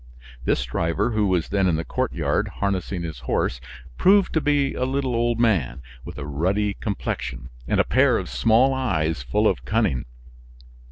This driver, who was then in the courtyard harnessing his horse, proved to be a little old man, with a ruddy complexion, and a pair of small eyes full of cunning.